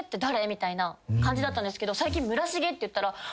みたいな感じだったんですけど最近村重って言ったら。